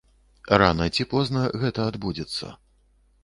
Рана ці позна гэта адбудзецца.